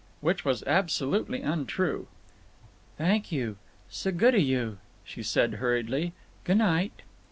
[Which was absolutely untrue.] "Thank you. S' good o' you," she said, hurriedly. "G' night."